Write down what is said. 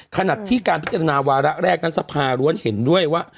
ขนาดที่การพิจารณาวาระแรกกันทรภารวมเห็นด้วยว่า